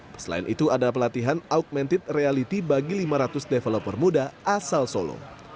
selain itu ada pelatihan augmented reality bagi lima ratus developer muda asal solo